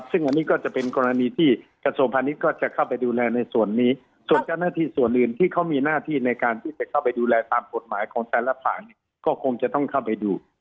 ซึ่งอันนี้ก็จะเป็นกรณีที่กระทรวงพาณิชย์ก็จะเข้าไปดูแลในส่วนนี้ส่วนเจ้าหน้าที่ส่วนอื่นที่เขามีหน้าที่ในการที่จะเข้าไปดูแลตามกฎหมายของแต่ละฝ่ายก็คงจะต้องเข้าไปดู